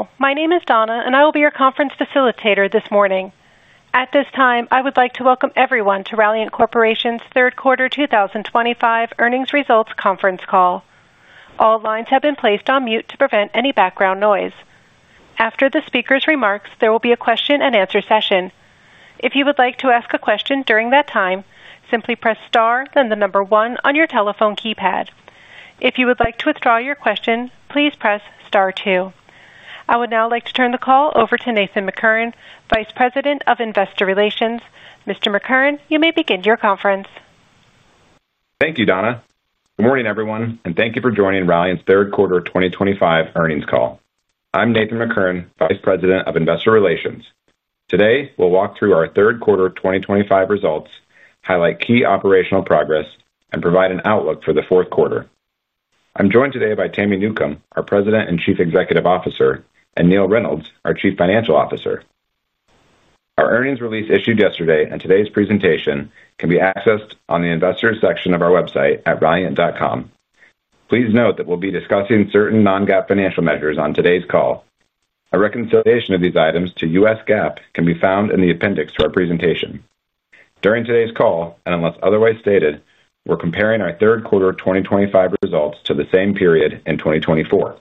Hello. My name is Donna, and I will be your conference facilitator this morning. At this time, I would like to welcome everyone to Ralliant Corporation's Third Quarter 2025 Earnings Results Conference Call. All lines have been placed on mute to prevent any background noise. After the speaker's remarks, there will be a question-and-answer session. If you would like to ask a question during that time, simply press star, then the number one on your telephone keypad. If you would like to withdraw your question, please press star two. I would now like to turn the call over to Nathan McCurren, Vice President of Investor Relations. Mr. McCurren, you may begin your conference. Thank you, Donna. Good morning, everyone, and thank you for joining Ralliant's Third Quarter 2025 Earnings Call. I'm Nathan McCurren, Vice President of Investor Relations. Today, we'll walk through our Third Quarter 2025 results, highlight key operational progress, and provide an outlook for the fourth quarter. I'm joined today by Tami Newcombe, our President and Chief Executive Officer, and Neill Reynolds, our Chief Financial Officer. Our earnings release issued yesterday and today's presentation can be accessed on the Investors section of our website at ralliant.com. Please note that we'll be discussing certain non-GAAP financial measures on today's call. A reconciliation of these items to US GAAP can be found in the appendix to our presentation. During today's call, and unless otherwise stated, we're comparing our Third Quarter 2025 results to the same period in 2024.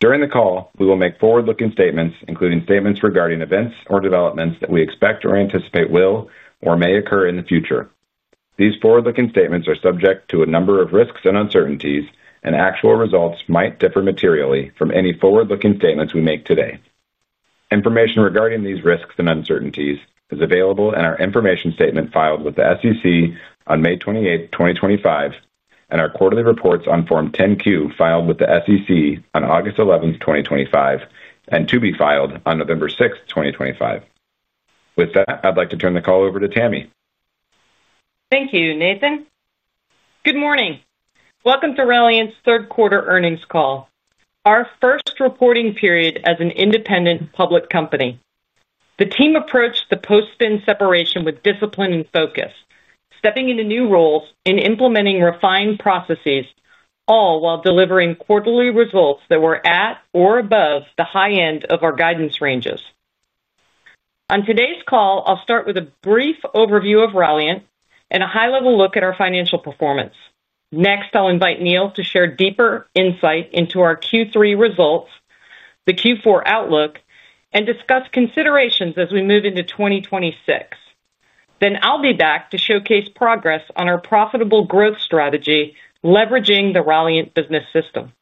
During the call, we will make forward-looking statements, including statements regarding events or developments that we expect or anticipate will or may occur in the future. These forward-looking statements are subject to a number of risks and uncertainties, and actual results might differ materially from any forward-looking statements we make today. Information regarding these risks and uncertainties is available in our Information Statement filed with the SEC on May 28, 2025, and our Quarterly Reports on Form 10Q filed with the SEC on August 11, 2025, and to be filed on November 6, 2025. With that, I'd like to turn the call over to Tami. Thank you, Nathan. Good morning. Welcome to Ralliant's third quarter earnings call, our first reporting period as an independent public company. The team approached the post-spin separation with discipline and focus, stepping into new roles and implementing refined processes, all while delivering quarterly results that were at or above the high end of our guidance ranges. On today's call, I'll start with a brief overview of Ralliant and a high-level look at our financial performance. Next, I'll invite Neill to share deeper insight into our Q3 results, the Q4 outlook, and discuss considerations as we move into 2026. Then I'll be back to showcase progress on our profitable growth strategy, leveraging the Ralliant Business System.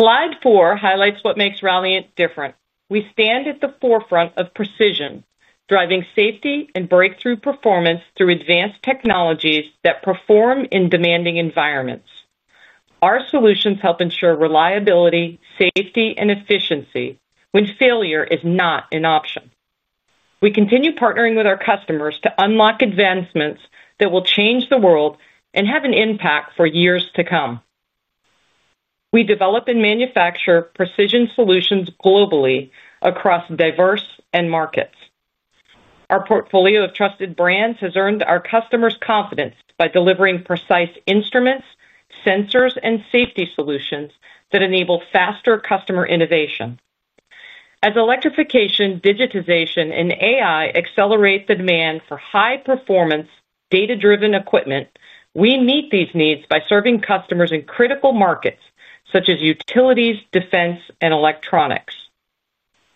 Slide four highlights what makes Ralliant different. We stand at the forefront of precision, driving safety and breakthrough performance through advanced technologies that perform in demanding environments. Our solutions help ensure reliability, safety, and efficiency when failure is not an option. We continue partnering with our customers to unlock advancements that will change the world and have an impact for years to come. We develop and manufacture precision solutions globally across diverse markets. Our portfolio of trusted brands has earned our customers' confidence by delivering precise instruments, sensors, and safety solutions that enable faster customer innovation. As electrification, digitization, and AI accelerate the demand for high-performance, data-driven equipment, we meet these needs by serving customers in critical markets such as utilities, defense, and electronics.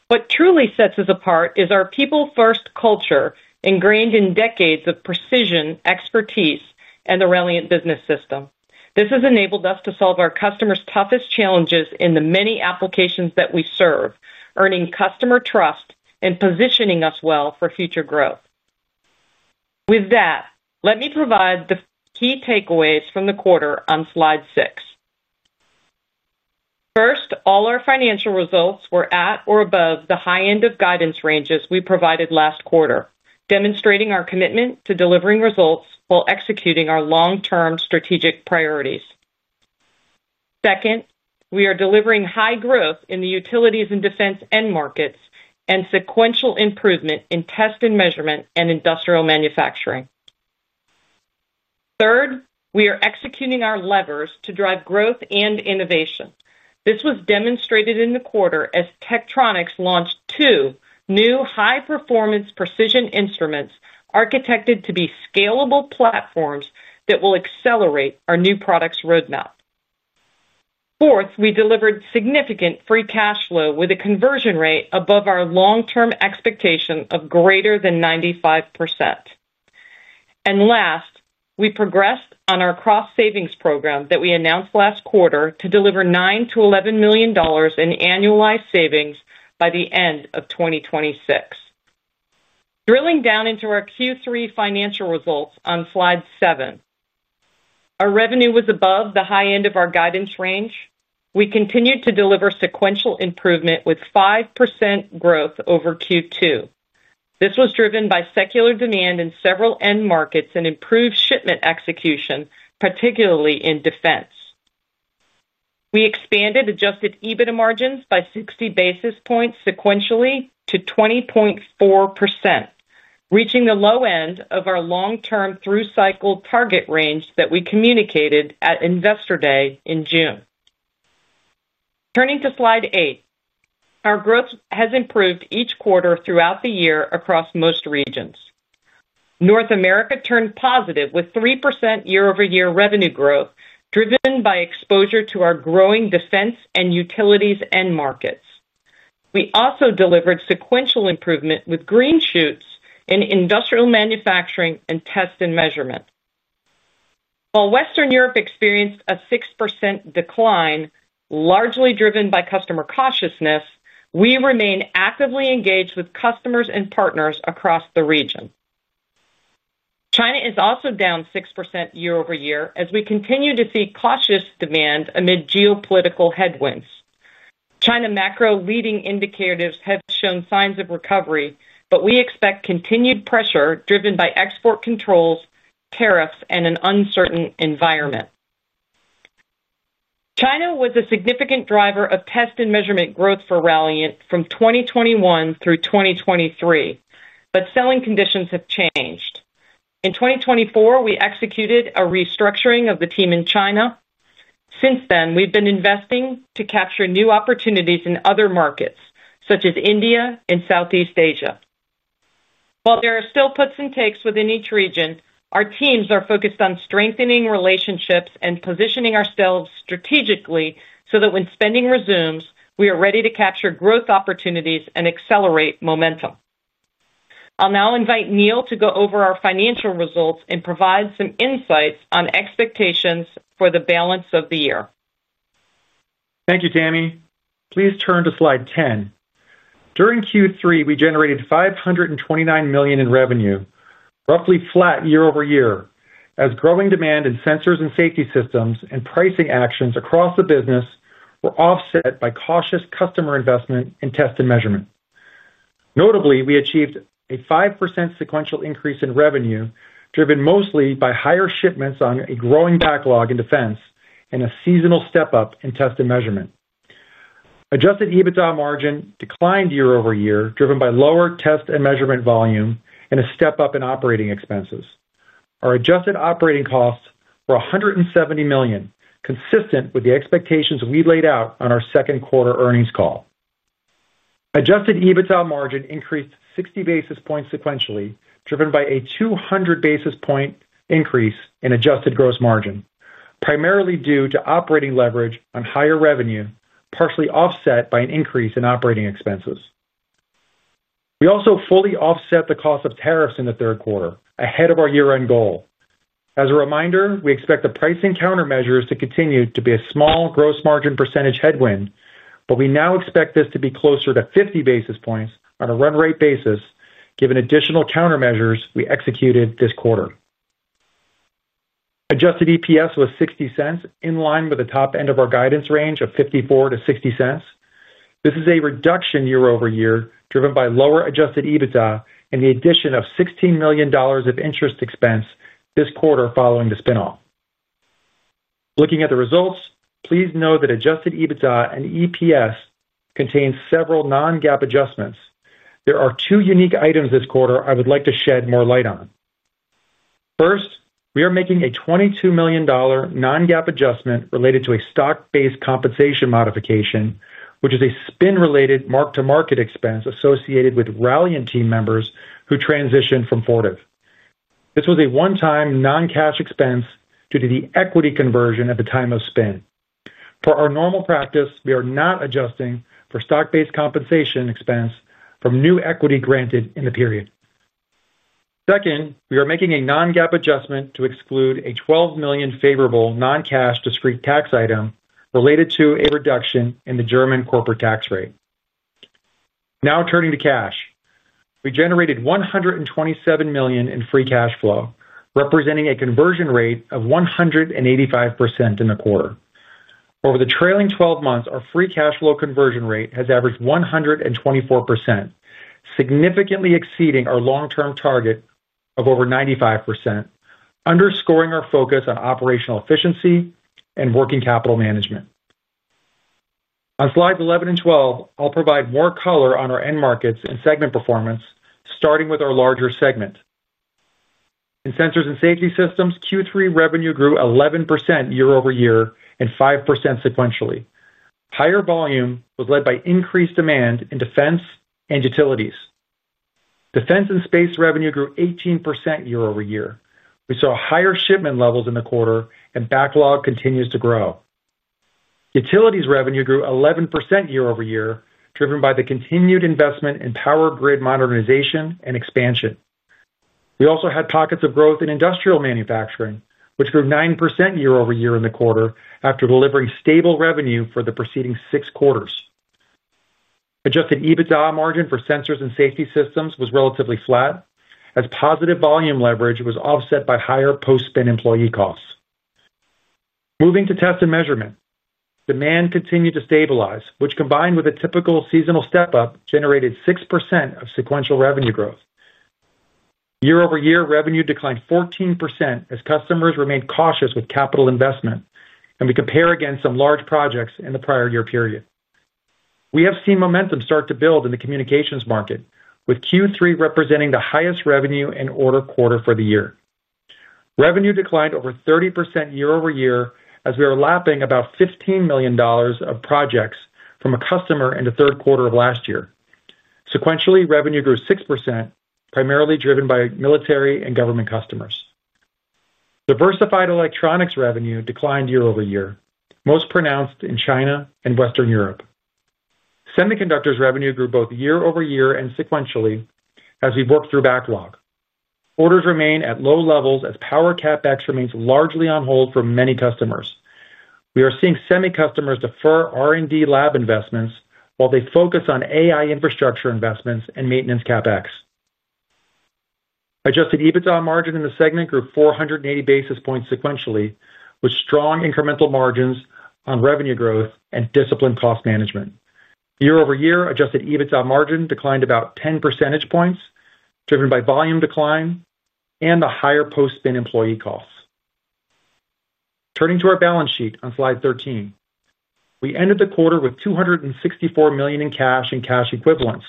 What truly sets us apart is our people-first culture ingrained in decades of precision expertise and the Ralliant Business System. This has enabled us to solve our customers' toughest challenges in the many applications that we serve, earning customer trust and positioning us well for future growth. With that, let me provide the key takeaways from the quarter on Slide six. First, all our financial results were at or above the high end of guidance ranges we provided last quarter, demonstrating our commitment to delivering results while executing our long-term strategic priorities. Second, we are delivering high growth in the utilities and defense end markets and sequential improvement in test and measurement and industrial manufacturing. Third, we are executing our levers to drive growth and innovation. This was demonstrated in the quarter as Tektronix launched two new high-performance precision instruments architected to be scalable platforms that will accelerate our new product's roadmap. Fourth, we delivered significant free cash flow with a conversion rate above our long-term expectation of greater than 95%. Last, we progressed on our cross-savings program that we announced last quarter to deliver $9 million-$11 million in annualized savings by the end of 2026. Drilling down into our Q3 financial results on Slide seven. Our revenue was above the high end of our guidance range. We continued to deliver sequential improvement with 5% growth over Q2. This was driven by secular demand in several end markets and improved shipment execution, particularly in defense. We expanded adjusted EBITDA margins by 60 basis points sequentially to 20.4%. Reaching the low end of our long-term through cycle target range that we communicated at Investor Day in June. Turning to Slide eight, our growth has improved each quarter throughout the year across most regions. North America turned positive with 3% year-over-year revenue growth driven by exposure to our growing defense and utilities end markets. We also delivered sequential improvement with green shoots in industrial manufacturing and test and measurement. While Western Europe experienced a 6% decline, largely driven by customer cautiousness, we remain actively engaged with customers and partners across the region. China is also down 6% year-over-year as we continue to see cautious demand amid geopolitical headwinds. China macro leading indicators have shown signs of recovery, but we expect continued pressure driven by export controls, tariffs, and an uncertain environment. China was a significant driver of test and measurement growth for Ralliant from 2021 through 2023, but selling conditions have changed. In 2024, we executed a restructuring of the team in China. Since then, we've been investing to capture new opportunities in other markets such as India and Southeast Asia. While there are still puts and takes within each region, our teams are focused on strengthening relationships and positioning ourselves strategically so that when spending resumes, we are ready to capture growth opportunities and accelerate momentum. I'll now invite Neill to go over our financial results and provide some insights on expectations for the balance of the year. Thank you, Tami. Please turn to Slide 10. During Q3, we generated $529 million in revenue, roughly flat year-over-year, as growing demand in sensors and safety systems and pricing actions across the business were offset by cautious customer investment in test and measurement. Notably, we achieved a 5% sequential increase in revenue driven mostly by higher shipments on a growing backlog in defense and a seasonal step-up in test and measurement. Adjusted EBITDA margin declined year-over-year, driven by lower test and measurement volume and a step-up in operating expenses. Our adjusted operating costs were $170 million, consistent with the expectations we laid out on our second quarter earnings call. Adjusted EBITDA margin increased 60 basis points sequentially, driven by a 200 basis point increase in adjusted gross margin, primarily due to operating leverage on higher revenue, partially offset by an increase in operating expenses. We also fully offset the cost of tariffs in the third quarter ahead of our year-end goal. As a reminder, we expect the pricing countermeasures to continue to be a small gross margin percentage headwind, but we now expect this to be closer to 50 basis points on a run-rate basis, given additional countermeasures we executed this quarter. Adjusted EPS was $0.60, in line with the top end of our guidance range of $0.54-$0.60. This is a reduction year-over-year driven by lower adjusted EBITDA and the addition of $16 million of interest expense this quarter following the spin-off. Looking at the results, please note that adjusted EBITDA and EPS contain several non-GAAP adjustments. There are two unique items this quarter I would like to shed more light on. First, we are making a $22 million non-GAAP adjustment related to a stock-based compensation modification, which is a spin-related mark-to-market expense associated with Ralliant team members who transitioned from Fortive. This was a one-time non-cash expense due to the equity conversion at the time of spin. For our normal practice, we are not adjusting for stock-based compensation expense from new equity granted in the period. Second, we are making a non-GAAP adjustment to exclude a $12 million favorable non-cash discrete tax item related to a reduction in the German corporate tax rate. Now turning to cash, we generated $127 million in free cash flow, representing a conversion rate of 185% in the quarter. Over the trailing 12 months, our free cash flow conversion rate has averaged 124%. Significantly exceeding our long-term target of over 95%, underscoring our focus on operational efficiency and working capital management. On Slides 11 and 12, I'll provide more color on our end markets and segment performance, starting with our larger segment. In sensors and safety systems, Q3 revenue grew 11% year-over-year and 5% sequentially. Higher volume was led by increased demand in defense and utilities. Defense and space revenue grew 18% year-over-year. We saw higher shipment levels in the quarter, and backlog continues to grow. Utilities revenue grew 11% year-over-year, driven by the continued investment in power grid modernization and expansion. We also had pockets of growth in industrial manufacturing, which grew 9% year-over-year in the quarter after delivering stable revenue for the preceding six quarters. Adjusted EBITDA margin for sensors and safety systems was relatively flat, as positive volume leverage was offset by higher post-spin employee costs. Moving to test and measurement, demand continued to stabilize, which, combined with a typical seasonal step-up, generated 6% of sequential revenue growth. Year-over-year revenue declined 14% as customers remained cautious with capital investment, and we compare against some large projects in the prior year period. We have seen momentum start to build in the communications market, with Q3 representing the highest revenue and order quarter for the year. Revenue declined over 30% year-over-year as we were lapping about $15 million of projects from a customer in the third quarter of last year. Sequentially, revenue grew 6%, primarily driven by military and government customers. Diversified electronics revenue declined year-over-year, most pronounced in China and Western Europe. Semiconductors revenue grew both year-over-year and sequentially as we've worked through backlog. Orders remain at low levels as power CapEx remains largely on hold for many customers. We are seeing semi-customers defer R&D lab investments while they focus on AI infrastructure investments and maintenance CapEx. Adjusted EBITDA margin in the segment grew 480 basis points sequentially, with strong incremental margins on revenue growth and disciplined cost management. Year-over-year, adjusted EBITDA margin declined about 10 percentage points, driven by volume decline and the higher post-spin employee costs. Turning to our balance sheet on Slide 13, we ended the quarter with $264 million in cash and cash equivalents,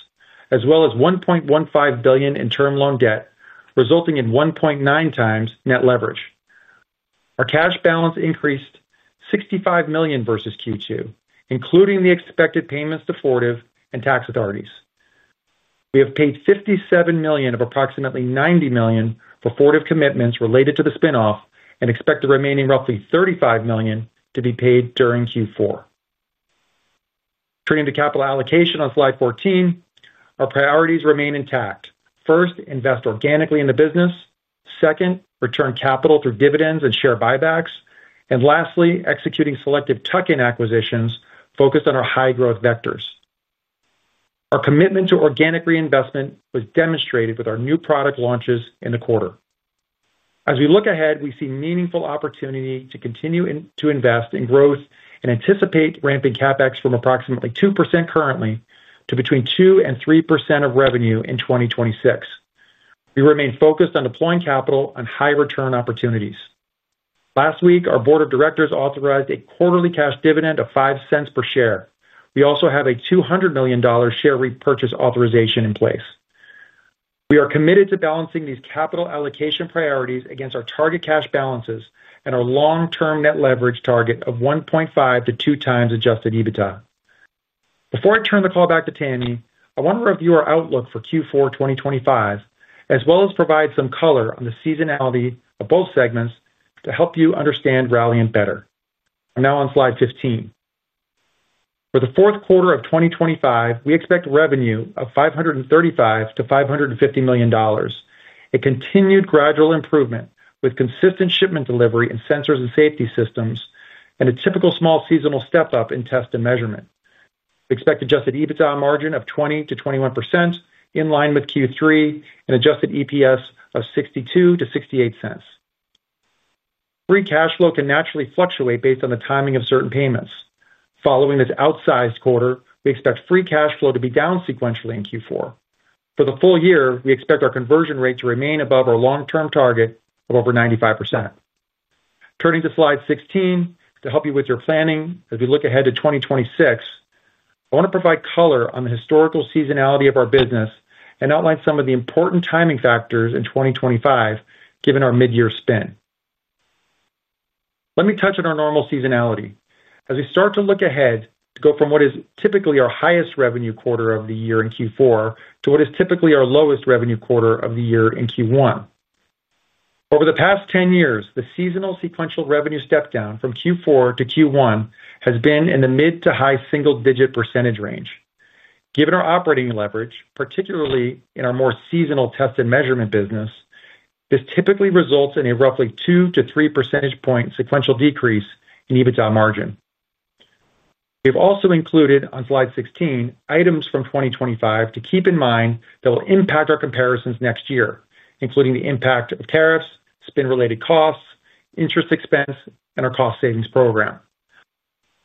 as well as $1.15 billion in term loan debt, resulting in 1.9 times net leverage. Our cash balance increased $65 million versus Q2, including the expected payments to Fortive and tax authorities. We have paid $57 million of approximately $90 million for Fortive commitments related to the spin-off and expect the remaining roughly $35 million to be paid during Q4. Turning to capital allocation on Slide 14, our priorities remain intact. First, invest organically in the business. Second, return capital through dividends and share buybacks. Lastly, executing selective tuck-in acquisitions focused on our high-growth vectors. Our commitment to organic reinvestment was demonstrated with our new product launches in the quarter. As we look ahead, we see meaningful opportunity to continue to invest in growth and anticipate ramping CapEx from approximately 2% currently to between 2%-3% of revenue in 2026. We remain focused on deploying capital on high-return opportunities. Last week, our board of directors authorized a quarterly cash dividend of $0.05 per share. We also have a $200 million share repurchase authorization in place. We are committed to balancing these capital allocation priorities against our target cash balances and our long-term net leverage target of 1.5-2 times adjusted EBITDA. Before I turn the call back to Tami, I want to review our outlook for Q4 2025, as well as provide some color on the seasonality of both segments to help you understand Ralliant better. I'm now on Slide 15. For the fourth quarter of 2025, we expect revenue of $535 million-$550 million. A continued gradual improvement with consistent shipment delivery in sensors and safety systems and a typical small seasonal step-up in test and measurement. We expect adjusted EBITDA margin of 20%-21%, in line with Q3, and adjusted EPS of $0.62-$0.68. Free cash flow can naturally fluctuate based on the timing of certain payments. Following this outsized quarter, we expect free cash flow to be down sequentially in Q4. For the full year, we expect our conversion rate to remain above our long-term target of over 95%. Turning to Slide 16 to help you with your planning as we look ahead to 2026. I want to provide color on the historical seasonality of our business and outline some of the important timing factors in 2025, given our mid-year spin. Let me touch on our normal seasonality as we start to look ahead to go from what is typically our highest revenue quarter of the year in Q4 to what is typically our lowest revenue quarter of the year in Q1. Over the past 10 years, the seasonal sequential revenue step-down from Q4 to Q1 has been in the mid to high single-digit % range. Given our operating leverage, particularly in our more seasonal test and measurement business, this typically results in a roughly 2%-3% percentage point sequential decrease in EBITDA margin. We have also included on Slide 16 items from 2025 to keep in mind that will impact our comparisons next year, including the impact of tariffs, spin-related costs, interest expense, and our cost savings program.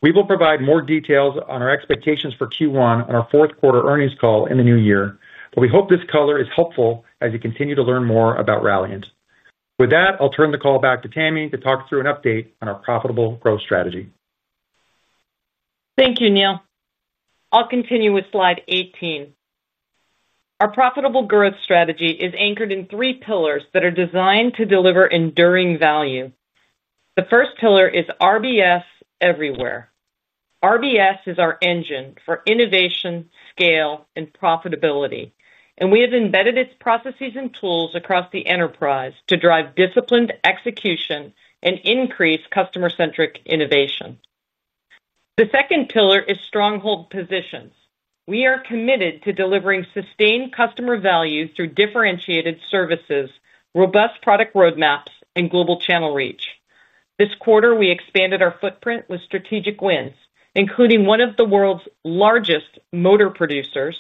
We will provide more details on our expectations for Q1 on our fourth quarter earnings call in the new year, but we hope this color is helpful as you continue to learn more about Ralliant. With that, I'll turn the call back to Tami to talk through an update on our profitable growth strategy. Thank you, Neill. I'll continue with Slide 18. Our profitable growth strategy is anchored in three pillars that are designed to deliver enduring value. The first pillar is RBS everywhere. RBS is our engine for innovation, scale, and profitability, and we have embedded its processes and tools across the enterprise to drive disciplined execution and increase customer-centric innovation. The second pillar is stronghold positions. We are committed to delivering sustained customer value through differentiated services, robust product roadmaps, and global channel reach. This quarter, we expanded our footprint with strategic wins, including one of the world's largest motor producers,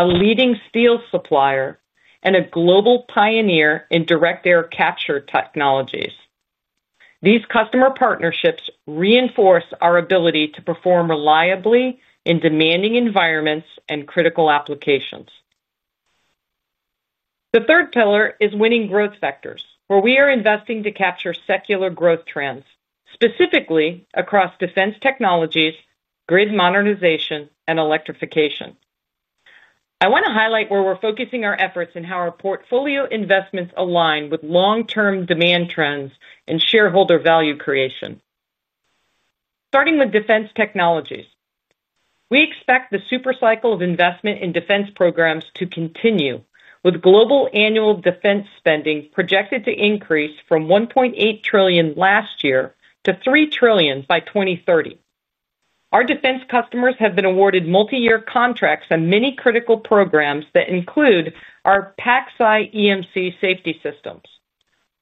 a leading steel supplier, and a global pioneer in direct air capture technologies. These customer partnerships reinforce our ability to perform reliably in demanding environments and critical applications. The third pillar is winning growth vectors, where we are investing to capture secular growth trends, specifically across defense technologies, grid modernization, and electrification. I want to highlight where we're focusing our efforts and how our portfolio investments align with long-term demand trends and shareholder value creation. Starting with defense technologies, we expect the supercycle of investment in defense programs to continue, with global annual defense spending projected to increase from $1.8 trillion last year to $3 trillion by 2030. Our defense customers have been awarded multi-year contracts on many critical programs that include our PACSci EMC safety systems.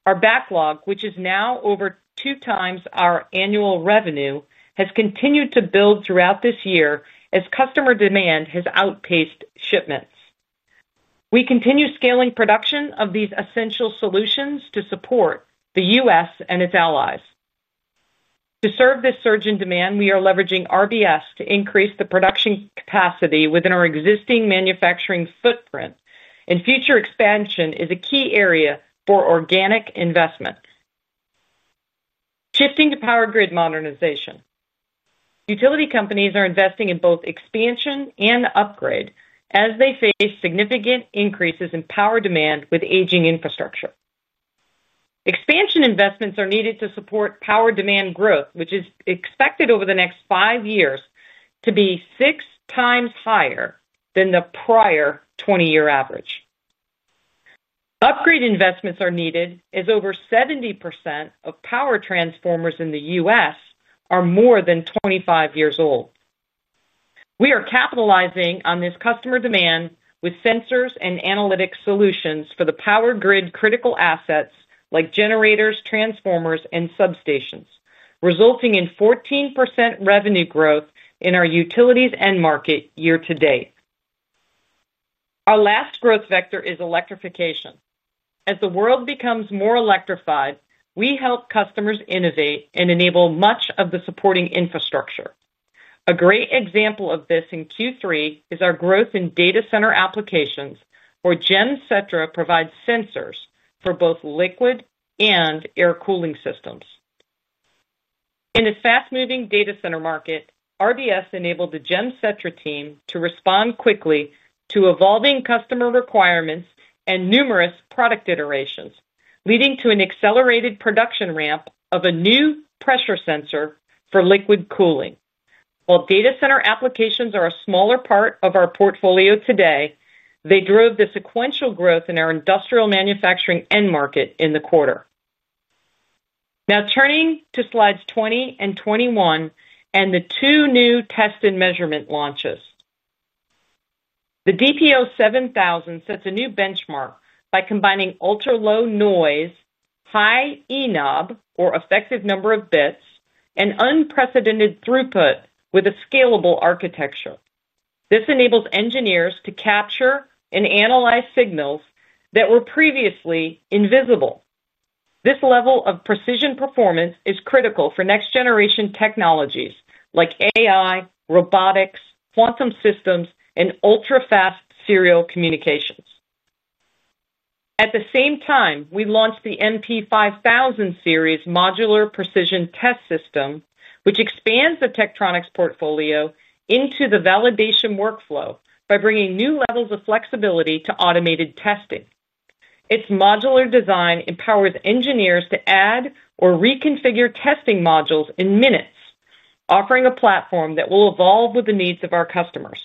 Our backlog, which is now over two times our annual revenue, has continued to build throughout this year as customer demand has outpaced shipments. We continue scaling production of these essential solutions to support the U.S. and its allies. To serve this surge in demand, we are leveraging RBS to increase the production capacity within our existing manufacturing footprint, and future expansion is a key area for organic investment. Shifting to power grid modernization. Utility companies are investing in both expansion and upgrade as they face significant increases in power demand with aging infrastructure. Expansion investments are needed to support power demand growth, which is expected over the next five years to be six times higher than the prior 20-year average. Upgrade investments are needed as over 70% of power transformers in the U.S. are more than 25 years old. We are capitalizing on this customer demand with sensors and analytic solutions for the power grid critical assets like generators, transformers, and substations, resulting in 14% revenue growth in our utilities end market year to date. Our last growth vector is electrification. As the world becomes more electrified, we help customers innovate and enable much of the supporting infrastructure. A great example of this in Q3 is our growth in data center applications where GEMSETRA provides sensors for both liquid and air cooling systems. In this fast-moving data center market, RBS enabled the GEMSETRA team to respond quickly to evolving customer requirements and numerous product iterations, leading to an accelerated production ramp of a new pressure sensor for liquid cooling. While data center applications are a smaller part of our portfolio today, they drove the sequential growth in our industrial manufacturing end market in the quarter. Now, turning to Slides 20 and 21 and the two new test and measurement launches. The DPO 7000 sets a new benchmark by combining ultra-low noise, high ENOB, or effective number of bits, and unprecedented throughput with a scalable architecture. This enables engineers to capture and analyze signals that were previously invisible. This level of precision performance is critical for next-generation technologies like AI, robotics, quantum systems, and ultra-fast serial communications. At the same time, we launched the MP5000 series modular precision test system, which expands the Tektronix portfolio into the validation workflow by bringing new levels of flexibility to automated testing. Its modular design empowers engineers to add or reconfigure testing modules in minutes, offering a platform that will evolve with the needs of our customers.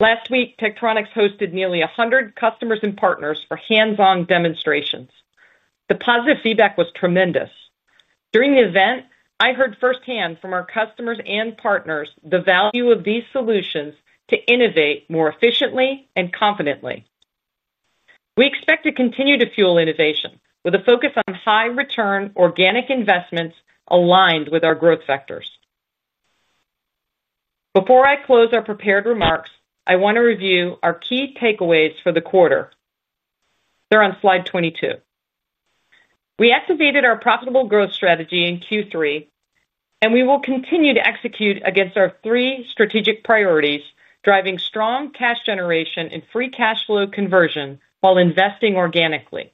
Last week, Tektronix hosted nearly 100 customers and partners for hands-on demonstrations. The positive feedback was tremendous. During the event, I heard firsthand from our customers and partners the value of these solutions to innovate more efficiently and confidently. We expect to continue to fuel innovation with a focus on high-return organic investments aligned with our growth vectors. Before I close our prepared remarks, I want to review our key takeaways for the quarter. They're on Slide 22. We activated our profitable growth strategy in Q3, and we will continue to execute against our three strategic priorities, driving strong cash generation and free cash flow conversion while investing organically.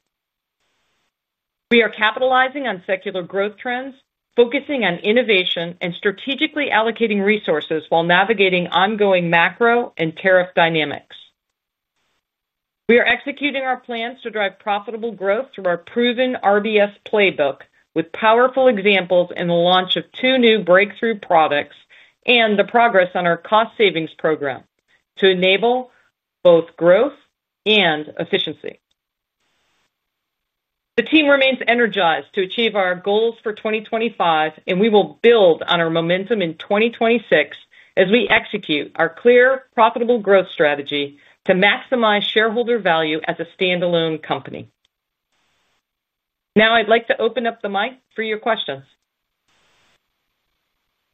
We are capitalizing on secular growth trends, focusing on innovation and strategically allocating resources while navigating ongoing macro and tariff dynamics. We are executing our plans to drive profitable growth through our proven RBS playbook with powerful examples in the launch of two new breakthrough products and the progress on our cost savings program to enable both growth and efficiency. The team remains energized to achieve our goals for 2025, and we will build on our momentum in 2026 as we execute our clear, profitable growth strategy to maximize shareholder value as a standalone company. Now, I'd like to open up the mic for your questions.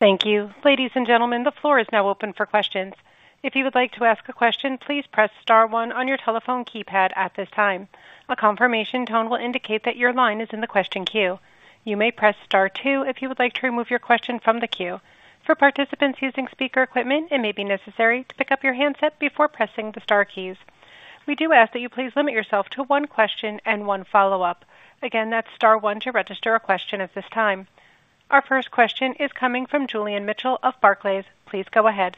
Thank you. Ladies and gentlemen, the floor is now open for questions. If you would like to ask a question, please press star 1 on your telephone keypad at this time. A confirmation tone will indicate that your line is in the question queue. You may press star 2 if you would like to remove your question from the queue. For participants using speaker equipment, it may be necessary to pick up your handset before pressing the star keys. We do ask that you please limit yourself to one question and one follow-up. Again, that's star 1 to register a question at this time. Our first question is coming from Julian Mitchell of Barclays. Please go ahead.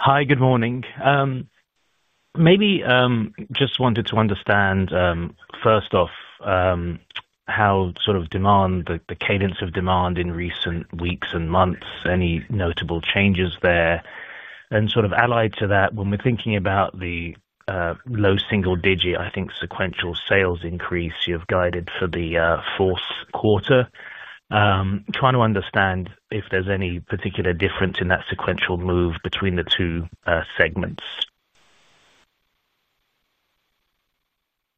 Hi, good morning. Maybe just wanted to understand. First off, how sort of demand, the cadence of demand in recent weeks and months, any notable changes there? And sort of allied to that, when we're thinking about the low single-digit, I think, sequential sales increase you've guided for the fourth quarter, trying to understand if there's any particular difference in that sequential move between the two segments.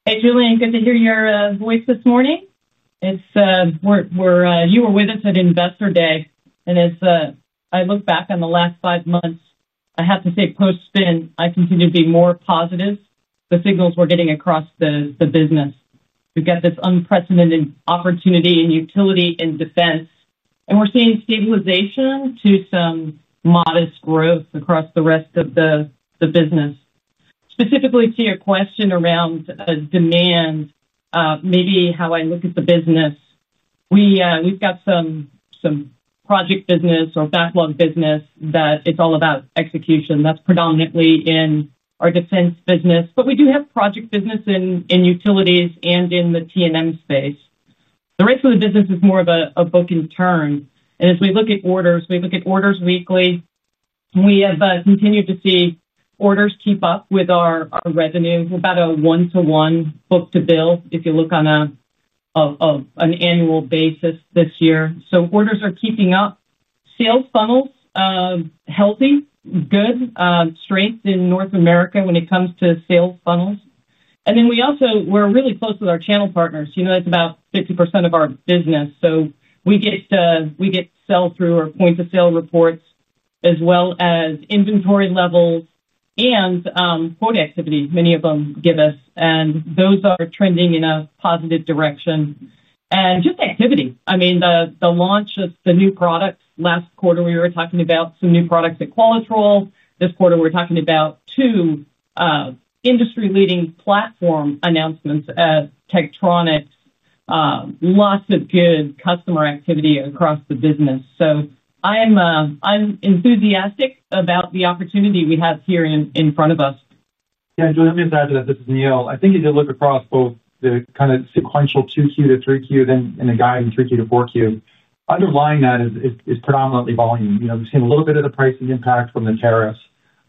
Hey, Julian. Good to hear your voice this morning. You were with us at Investor Day, and as I look back on the last five months, I have to say post-spin, I continue to be more positive. The signals we're getting across the business. We've got this unprecedented opportunity in utility and defense, and we're seeing stabilization to some modest growth across the rest of the business. Specifically to your question around demand, maybe how I look at the business. We've got some project business or backlog business that it's all about execution. That's predominantly in our defense business, but we do have project business in utilities and in the T&M space. The rest of the business is more of a book in turn. As we look at orders, we look at orders weekly. We have continued to see orders keep up with our revenue. We're about a one-to-one book to bill if you look on an annual basis this year. Orders are keeping up. Sales funnels, healthy, good, strength in North America when it comes to sales funnels. We also, we're really close with our channel partners. It's about 50% of our business. We get sell-through or point-to-sale reports as well as inventory levels and code activity, many of them give us. Those are trending in a positive direction. Just activity. I mean, the launch of the new products last quarter, we were talking about some new products at Qualatrol. This quarter, we're talking about two industry-leading platform announcements at Tektronix. Lots of good customer activity across the business. I'm enthusiastic about the opportunity we have here in front of us. Yeah, Julian, let me just add to that. This is Neill. I think you did look across both the kind of sequential 2Q to 3Q, then in the guiding 3Q to 4Q. Underlying that is predominantly volume. We've seen a little bit of the pricing impact from the tariffs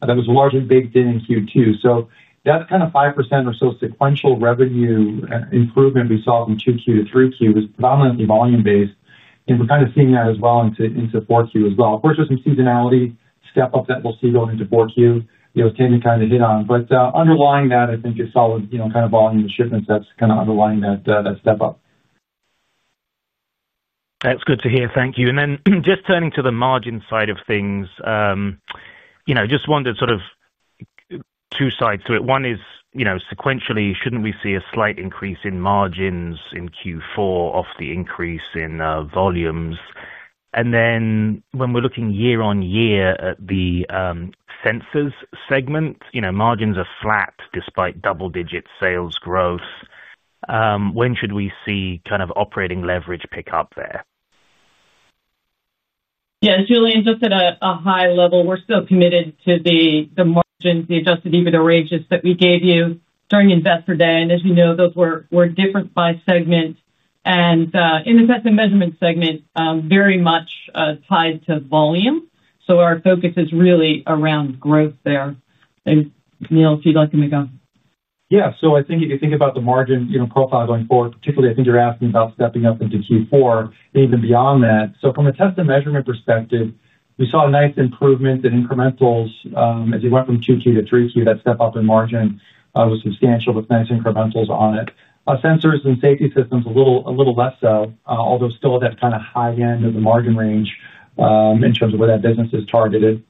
that was largely baked in in Q2. That kind of 5% or so sequential revenue improvement we saw from 2Q to 3Q was predominantly volume-based. We're kind of seeing that as well into 4Q as well. Of course, there's some seasonality step-up that we'll see going into 4Q. It was Tami kind of hit on. Underlying that, I think, is solid kind of volume and shipments that's kind of underlying that step-up. That's good to hear. Thank you. Just turning to the margin side of things. Just wanted sort of two sides to it. One is sequentially, shouldn't we see a slight increase in margins in Q4 off the increase in volumes? When we're looking year-on-year at the sensors segment, margins are flat despite double-digit sales growth. When should we see kind of operating leverage pick up there? Yeah, Julian, just at a high level, we're still committed to the margins, the adjusted EBITDA ranges that we gave you during Investor Day. As you know, those were different by segment. In the test and measurement segment, very much tied to volume. Our focus is really around growth there. Neil, if you'd like to make a— Yeah. So I think if you think about the margin profile going forward, particularly, I think you're asking about stepping up into Q4 and even beyond that. From a test and measurement perspective, we saw a nice improvement in incrementals as you went from 2Q to 3Q. That step-up in margin was substantial with nice incrementals on it. Sensors and safety systems, a little less so, although still at that kind of high end of the margin range in terms of where that business is targeted.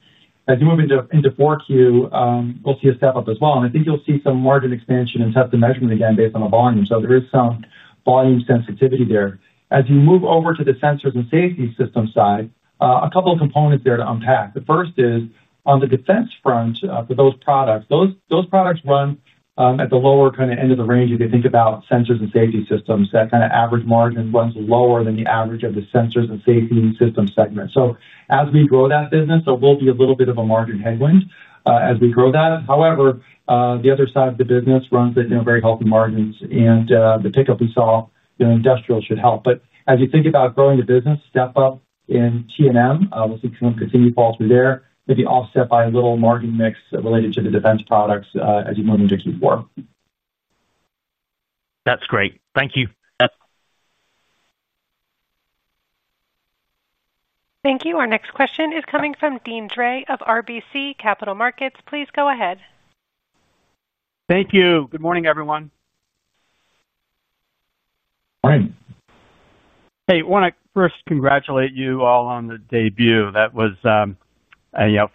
As you move into 4Q, we'll see a step-up as well. I think you'll see some margin expansion in test and measurement again based on the volume. There is some volume sensitivity there. As you move over to the sensors and safety system side, a couple of components there to unpack. The first is on the defense front for those products. Those products run at the lower kind of end of the range if you think about sensors and safety systems. That kind of average margin runs lower than the average of the sensors and safety system segment. As we grow that business, there will be a little bit of a margin headwind as we grow that. However, the other side of the business runs at very healthy margins. The pickup we saw, industrial should help. As you think about growing the business, step-up in T&M, we'll see some continued fall through there. Maybe offset by a little margin mix related to the defense products as you move into Q4. That's great. Thank you. Thank you. Our next question is coming from Deane Dray of RBC Capital Markets. Please go ahead. Thank you. Good morning, everyone. Morning. Hey, I want to first congratulate you all on the debut. That was.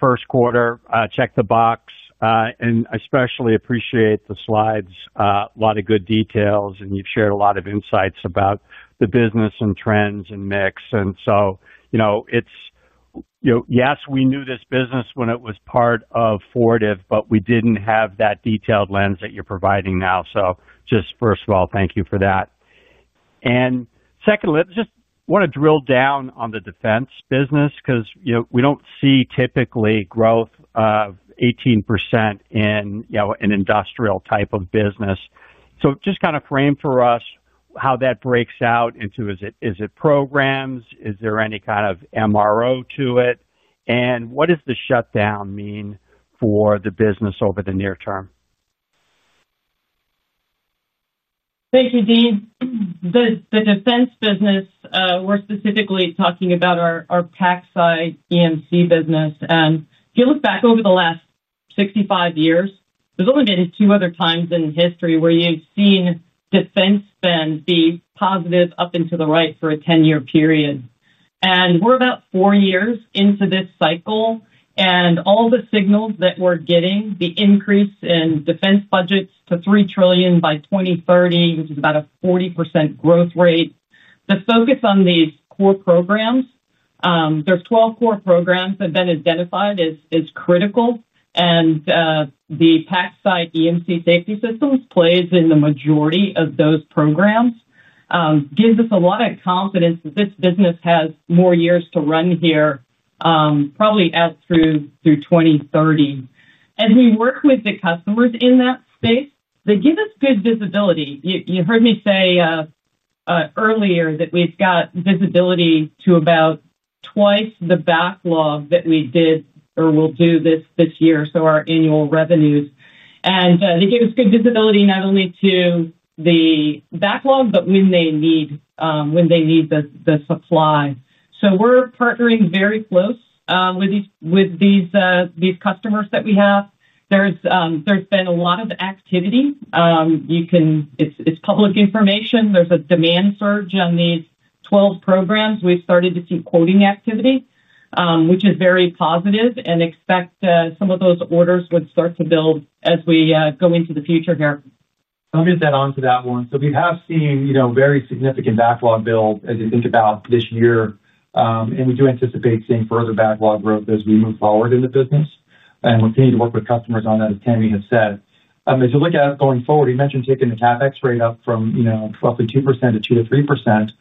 First quarter, check the box. I especially appreciate the slides. A lot of good details, and you've shared a lot of insights about the business and trends and mix. Yes, we knew this business when it was part of Fortive, but we didn't have that detailed lens that you're providing now. Just first of all, thank you for that. Second, just want to drill down on the defense business because we don't see typically growth of 18% in an industrial type of business. Just kind of frame for us how that breaks out into is it programs? Is there any kind of MRO to it? What does the shutdown mean for the business over the near term? Thank you, Deane. Good. The defense business, we're specifically talking about our PACSI EMC business. If you look back over the last 65 years, there's only been two other times in history where you've seen defense spend be positive up into the right for a 10-year period. We're about four years into this cycle, and all the signals that we're getting, the increase in defense budgets to $3 trillion by 2030, which is about a 40% growth rate, the focus on these core programs. There's 12 core programs that have been identified as critical. The PACSI EMC safety systems plays in the majority of those programs. Gives us a lot of confidence that this business has more years to run here. Probably out through 2030. As we work with the customers in that space, they give us good visibility. You heard me say earlier that we've got visibility to about twice the backlog that we did or will do this year, so our annual revenues. And they give us good visibility not only to the backlog, but when they need the supply. So we're partnering very close with these customers that we have. There's been a lot of activity. It's public information. There's a demand surge on these 12 programs. We've started to see quoting activity, which is very positive, and expect some of those orders would start to build as we go into the future here. I'll get onto that one. We have seen very significant backlog build as you think about this year. We do anticipate seeing further backlog growth as we move forward in the business. We'll continue to work with customers on that, as Tami has said. As you look at going forward, you mentioned taking the CapEx rate up from roughly 2% to 2-3%.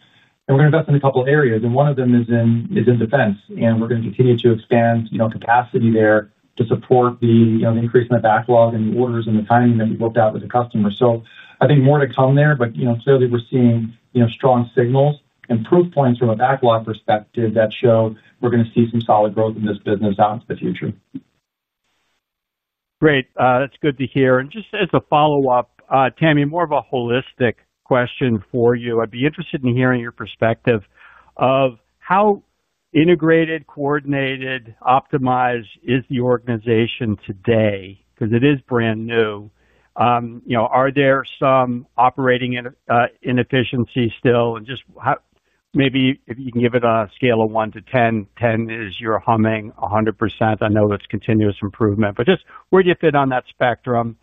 We're going to invest in a couple of areas, and one of them is in defense. We're going to continue to expand capacity there to support the increase in the backlog and the orders and the timing that we've worked out with the customers. I think more to come there, but clearly we're seeing strong signals and proof points from a backlog perspective that show we're going to see some solid growth in this business out into the future. Great. That's good to hear. Just as a follow-up, Tami, more of a holistic question for you. I'd be interested in hearing your perspective of how integrated, coordinated, optimized is the organization today? Because it is brand new. Are there some operating inefficiencies still? Maybe if you can give it a scale of 1 to 10, 10 is you're humming 100%. I know it's continuous improvement. Just where do you fit on that spectrum?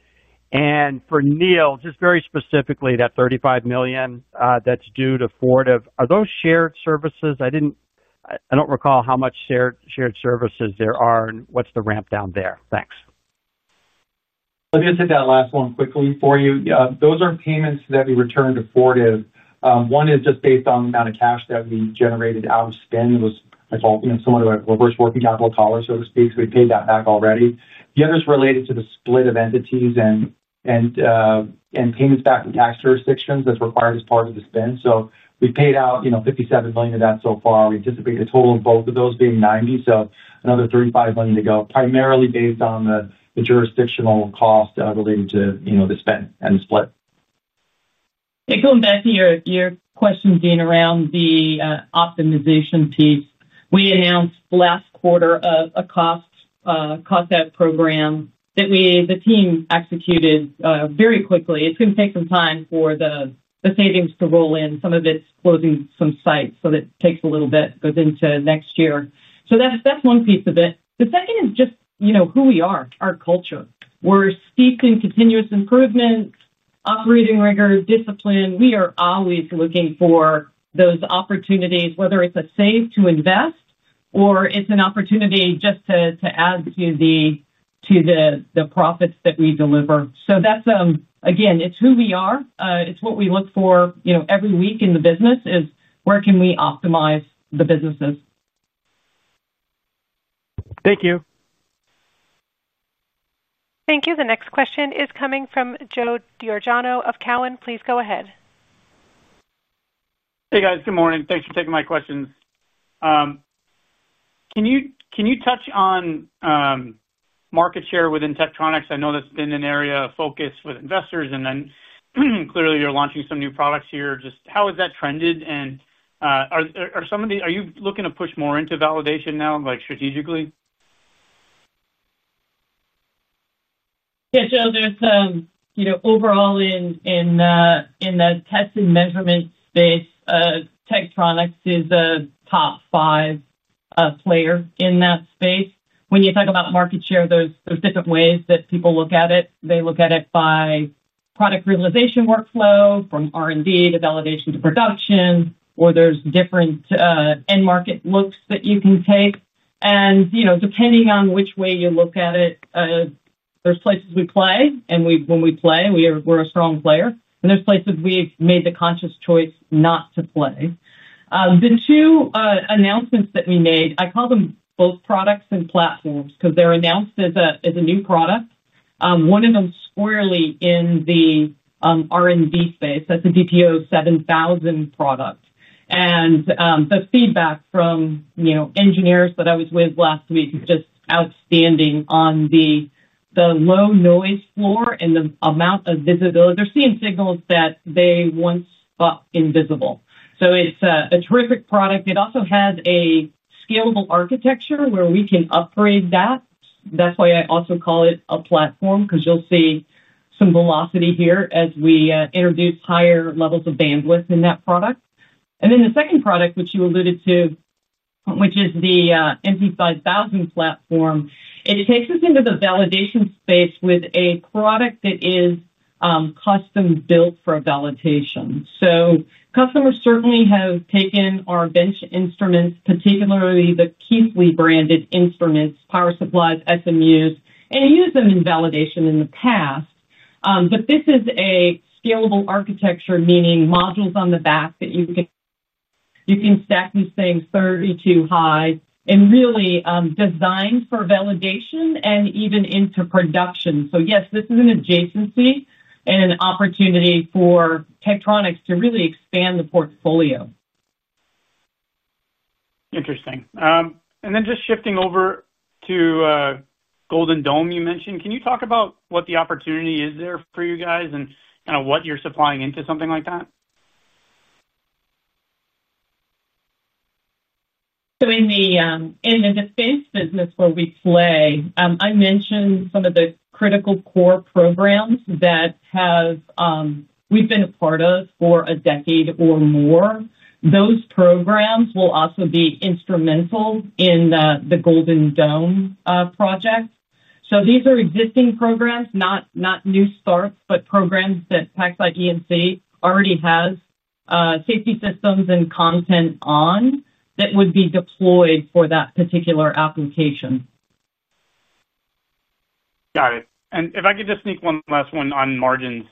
For Neill, just very specifically, that $35 million that's due to Fortive, are those shared services? I don't recall how much shared services there are, and what's the ramp down there? Thanks. Let me just take that last one quickly for you. Those are payments that we returned to Fortive. One is just based on the amount of cash that we generated out of spend. It was somewhat of a reverse working capital collar, so to speak. So we paid that back already. The other is related to the split of entities and payments back in tax jurisdictions that's required as part of the spend. So we've paid out $57 million of that so far. We anticipate a total of both of those being $90 million, so another $35 million to go, primarily based on the jurisdictional cost related to the spend and the split. Going back to your question, Deane, around the optimization piece, we announced last quarter a cost-out program that the team executed very quickly. It's going to take some time for the savings to roll in. Some of it's closing some sites, so that takes a little bit, goes into next year. That's one piece of it. The second is just who we are, our culture. We're steeped in continuous improvement, operating rigor, discipline. We are always looking for those opportunities, whether it's a save to invest or it's an opportunity just to add to the profits that we deliver. Again, it's who we are. It's what we look for every week in the business is where can we optimize the businesses. Thank you. Thank you. The next question is coming from Joe Giordano of Cowen. Please go ahead. Hey, guys. Good morning. Thanks for taking my questions. Can you touch on market share within Tektronix? I know that's been an area of focus with investors, and then clearly you're launching some new products here. Just how has that trended? Are you looking to push more into validation now, strategically? Yeah. So overall, in the test and measurement space, Tektronix is a top five player in that space. When you talk about market share, there's different ways that people look at it. They look at it by product realization workflow, from R&D to validation to production, or there's different end market looks that you can take. Depending on which way you look at it, there's places we play, and when we play, we're a strong player. There's places we've made the conscious choice not to play. The two announcements that we made, I call them both products and platforms because they're announced as a new product. One of them squarely in the R&D space. That's a DPO 7000 product. The feedback from engineers that I was with last week is just outstanding on the low noise floor and the amount of visibility. They're seeing signals that they once thought invisible. It is a terrific product. It also has a scalable architecture where we can upgrade that. That is why I also call it a platform because you will see some velocity here as we introduce higher levels of bandwidth in that product. The second product, which you alluded to, which is the MP5000 platform, takes us into the validation space with a product that is custom built for validation. Customers certainly have taken our bench instruments, particularly the Keithley-branded instruments, power supplies, SMUs, and used them in validation in the past. This is a scalable architecture, meaning modules on the back that you can stack these things 32 high and really designed for validation and even into production. Yes, this is an adjacency and an opportunity for Tektronix to really expand the portfolio. Interesting. Just shifting over to Golden Dome you mentioned, can you talk about what the opportunity is there for you guys and kind of what you're supplying into something like that? In the defense business where we play, I mentioned some of the critical core programs that we've been a part of for a decade or more. Those programs will also be instrumental in the Golden Dome project. These are existing programs, not new starts, but programs that PacSci EMC already has safety systems and content on that would be deployed for that particular application. Got it. If I could just sneak one last one on margins,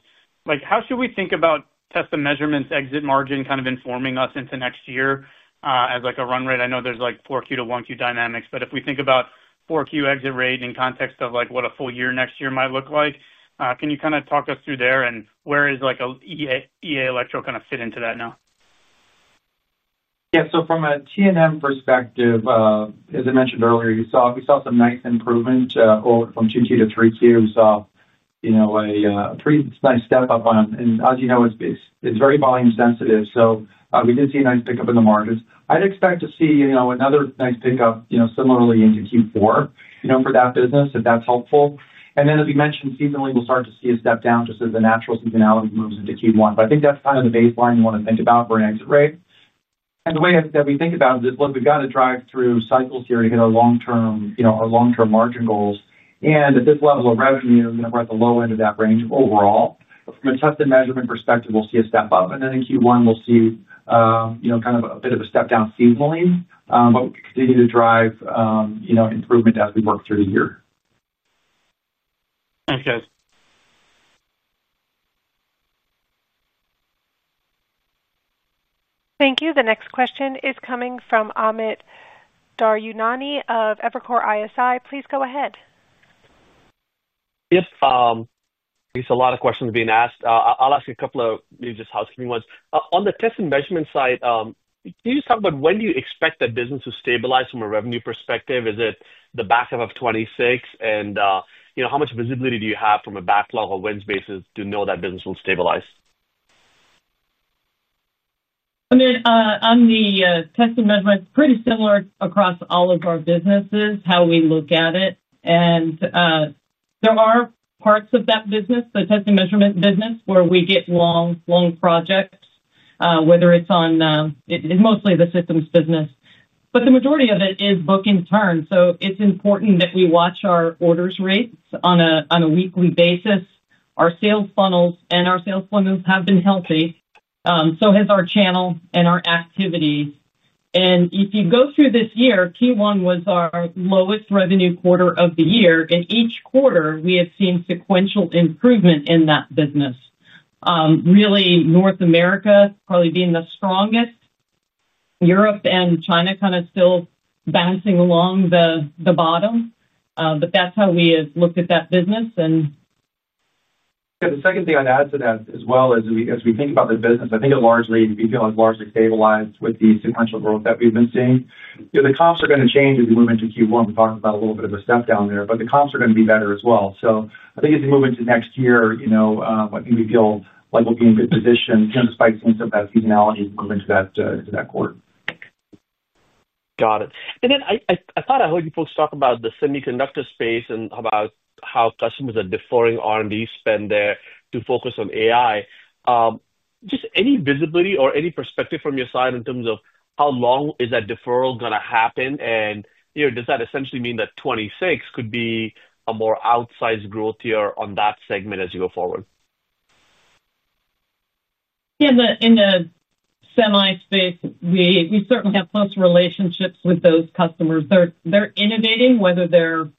how should we think about test and measurements, exit margin kind of informing us into next year as a run rate? I know there are 4Q to 1Q dynamics, but if we think about 4Q exit rate in context of what a full year next year might look like, can you kind of talk us through there? Where does EA Electro kind of fit into that now? Yeah. So from a T&M perspective, as I mentioned earlier, we saw some nice improvement from 2Q to 3Q. We saw a pretty nice step up. As you know, it's very volume sensitive. We did see a nice pickup in the margins. I'd expect to see another nice pickup similarly into Q4 for that business if that's helpful. As we mentioned, seasonally, we'll start to see a step down just as the natural seasonality moves into Q1. I think that's kind of the baseline you want to think about for an exit rate. The way that we think about it is, look, we've got to drive through cycles here to hit our long-term margin goals. At this level of revenue, we're at the low end of that range overall. From a test and measurement perspective, we'll see a step up. In Q1, we'll see kind of a bit of a step down seasonally, but we can continue to drive improvement as we work through the year. Thanks, guys. Thank you. The next question is coming from Amit Daryanani of Evercore ISI. Please go ahead. Yes. I guess a lot of questions are being asked. I'll ask a couple of just housekeeping ones. On the test and measurement side, can you just talk about when do you expect that business to stabilize from a revenue perspective? Is it the back half of 2026? And how much visibility do you have from a backlog or wins basis to know that business will stabilize? Amit, I mean, on the test and measurement, it's pretty similar across all of our businesses, how we look at it. There are parts of that business, the test and measurement business, where we get long, long projects, whether it's on—it's mostly the systems business. The majority of it is book in turn. It's important that we watch our orders rates on a weekly basis. Our sales funnels and our sales funnels have been healthy, so has our channel and our activities. If you go through this year, Q1 was our lowest revenue quarter of the year. In each quarter, we have seen sequential improvement in that business. Really, North America probably being the strongest. Europe and China kind of still bouncing along the bottom. That's how we have looked at that business. Yeah. The second thing I'd add to that as well is, as we think about the business, I think it largely—we feel it's largely stabilized with the sequential growth that we've been seeing. The comps are going to change as we move into Q1. We're talking about a little bit of a step down there, but the comps are going to be better as well. I think as we move into next year, I think we feel like we'll be in good position despite seeing some of that seasonality move into that quarter. Got it. I thought I heard you folks talk about the semiconductor space and about how customers are deferring R&D spend there to focus on AI. Just any visibility or any perspective from your side in terms of how long is that deferral going to happen? Does that essentially mean that 2026 could be a more outsized growth year on that segment as you go forward? Yeah. In the semi space, we certainly have close relationships with those customers. They're innovating, whether they're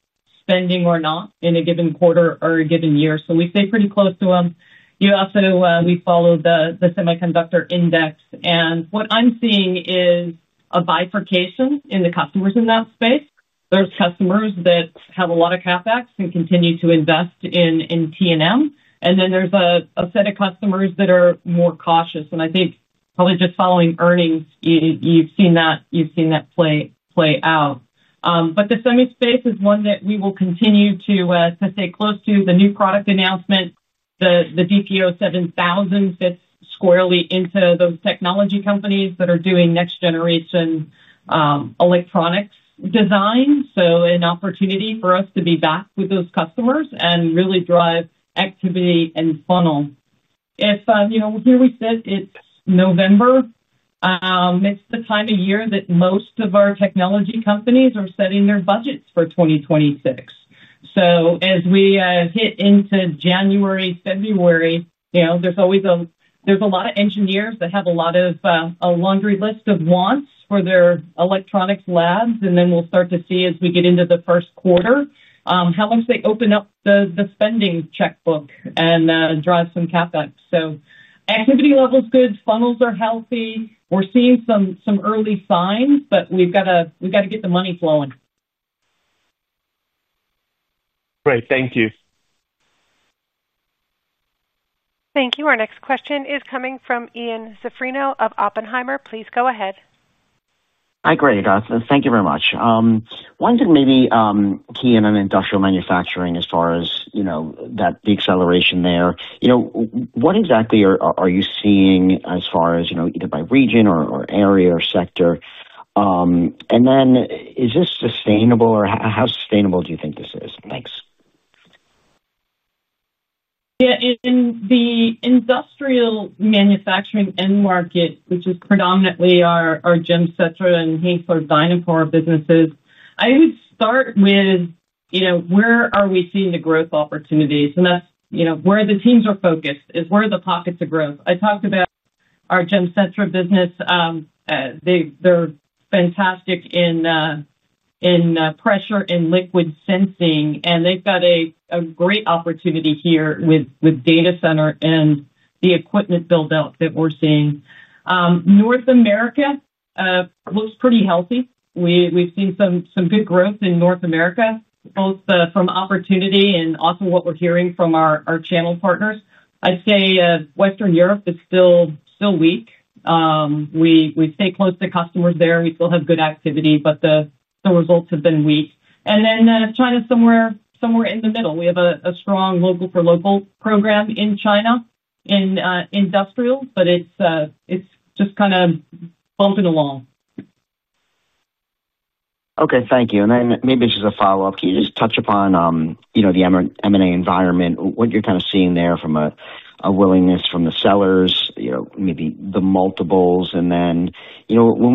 spending or not in a given quarter or a given year. We stay pretty close to them. Also, we follow the semiconductor index. What I'm seeing is a bifurcation in the customers in that space. There are customers that have a lot of CapEx and continue to invest in T&M. There is a set of customers that are more cautious. I think probably just following earnings, you've seen that play out. The semi space is one that we will continue to stay close to. The new product announcement, the DPO 7000, fits squarely into those technology companies that are doing next-generation electronics design. An opportunity for us to be back with those customers and really drive activity and funnel. Here we sit. It's November, it's the time of year that most of our technology companies are setting their budgets for 2026. As we hit into January, February, there's always a lot of engineers that have a lot of a laundry list of wants for their electronics labs. Then we'll start to see, as we get into the first quarter, how much they open up the spending checkbook and drive some CapEx. Activity level's good. Funnels are healthy. We're seeing some early signs, but we've got to get the money flowing. Great. Thank you. Thank you. Our next question is coming from Ian Cifrino of Oppenheimer. Please go ahead. Hi, Greg. Thank you very much. One thing maybe. Key in an industrial manufacturing as far as the acceleration there. What exactly are you seeing as far as either by region or area or sector? Is this sustainable, or how sustainable do you think this is? Thanks. Yeah. In the industrial manufacturing end market, which is predominantly our GEMSETRA and Henssler-DynaPower businesses, I would start with where are we seeing the growth opportunities? That's where the teams are focused, is where the pockets of growth. I talked about our GEMSETRA business. They're fantastic in pressure and liquid sensing, and they've got a great opportunity here with data center and the equipment buildout that we're seeing. North America looks pretty healthy. We've seen some good growth in North America, both from opportunity and also what we're hearing from our channel partners. I'd say Western Europe is still weak. We stay close to customers there. We still have good activity, but the results have been weak. China is somewhere in the middle. We have a strong local-for-local program in China. Industrial, but it's just kind of bumping along. Okay. Thank you. Maybe just a follow-up. Can you just touch upon the M&A environment, what you're kind of seeing there from a willingness from the sellers, maybe the multiples? When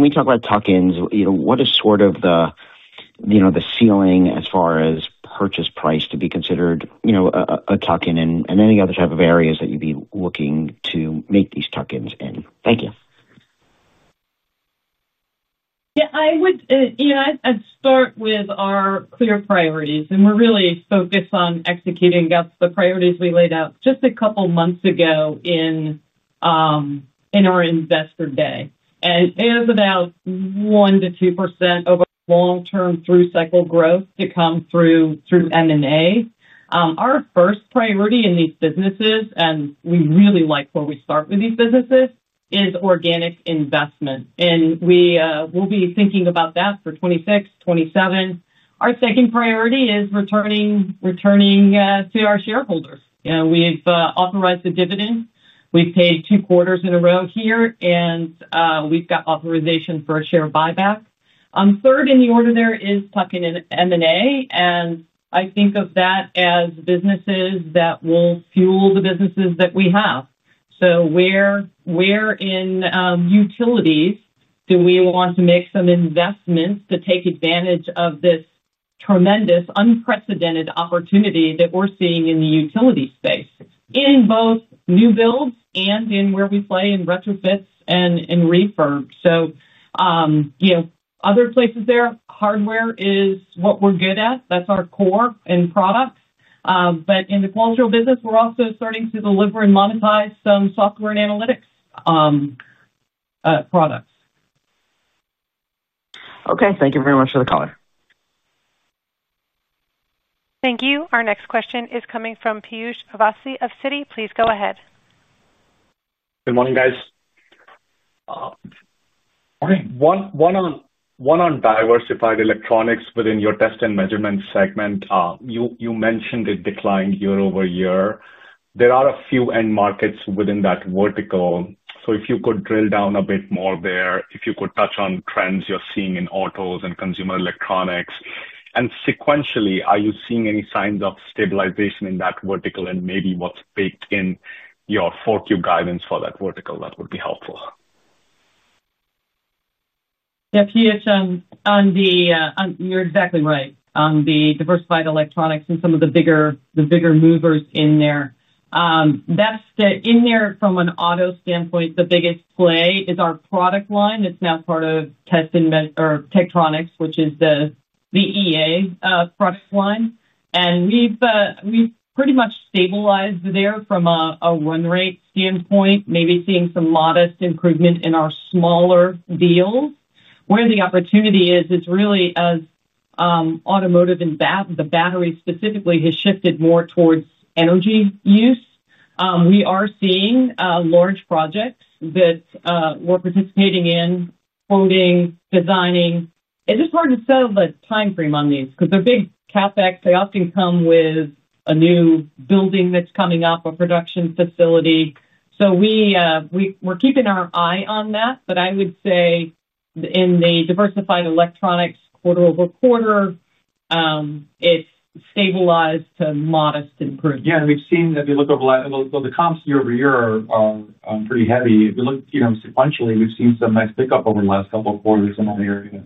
we talk about tuck-ins, what is sort of the ceiling as far as purchase price to be considered a tuck-in and any other type of areas that you'd be looking to make these tuck-ins in? Thank you. Yeah. I'd start with our clear priorities. We're really focused on executing. That's the priorities we laid out just a couple of months ago in our investor day. It is about 1-2% of our long-term through-cycle growth to come through M&A. Our first priority in these businesses, and we really like where we start with these businesses, is organic investment. We'll be thinking about that for 2026, 2027. Our second priority is returning to our shareholders. We've authorized the dividend. We've paid two quarters in a row here, and we've got authorization for a share buyback. Third in the order there is tuck-in and M&A. I think of that as businesses that will fuel the businesses that we have. So where in utilities, do we want to make some investments to take advantage of this tremendous, unprecedented opportunity that we're seeing in the utility space, in both new builds and in where we play in retrofits and in refurbs? Other places there, hardware is what we're good at. That's our core and product. In the cultural business, we're also starting to deliver and monetize some software and analytics products. Okay. Thank you very much for the call. Thank you. Our next question is coming from Piyush Avasthy of CITI. Please go ahead. Good morning, guys. Morning. One on diversified electronics within your test and measurement segment. You mentioned it declined year-over-year. There are a few end markets within that vertical. If you could drill down a bit more there, if you could touch on trends you're seeing in autos and consumer electronics. Sequentially, are you seeing any signs of stabilization in that vertical? Maybe what's baked in your 4Q guidance for that vertical? That would be helpful. Yeah. Piyush, you're exactly right on the diversified electronics and some of the bigger movers in there. In there, from an auto standpoint, the biggest play is our product line. It's now part of Tektronix, which is the EA product line. And we've pretty much stabilized there from a run rate standpoint, maybe seeing some modest improvement in our smaller deals. Where the opportunity is, it's really as automotive and the battery specifically has shifted more towards energy use. We are seeing large projects that we're participating in, quoting, designing. It's just hard to set a time frame on these because they're big CapEx. They often come with a new building that's coming up, a production facility. So we're keeping our eye on that. I would say in the diversified electronics, quarter-over-quarter, it's stabilized to modest improvement. Yeah. If you look over the comps year-over-year, they are pretty heavy. If you look sequentially, we have seen some nice pickup over the last couple of quarters in that area,